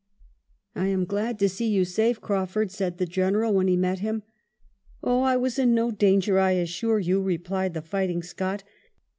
" I am glad to see you safe, Craufurd," said the General when he met him. " Oh, I was in no danger, I assure you," replied the fighting Scot.